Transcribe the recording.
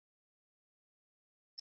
kupanda kwa gharama kote duniani